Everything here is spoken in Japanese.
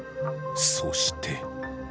そして。